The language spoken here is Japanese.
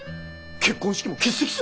結婚式も欠席する！